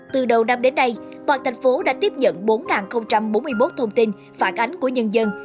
từ đầu năm đến nay toàn thành phố đã tiếp nhận bốn bốn mươi một thông tin phản ánh của nhân dân